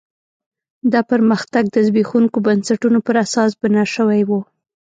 دا پرمختګ د زبېښونکو بنسټونو پر اساس بنا شوی و.